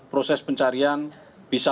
proses pencarian bisa